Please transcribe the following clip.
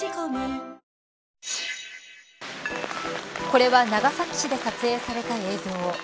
これは長崎市で撮影された映像。